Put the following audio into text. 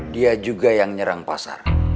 dia juga yang nyerang pasar